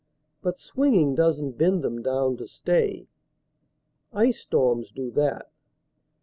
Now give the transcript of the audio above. But swinging doesn't bend them down to stay. Ice storms do that.